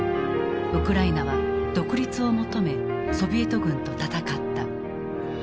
ウクライナは独立を求めソビエト軍と戦った。